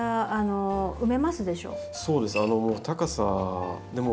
そうです。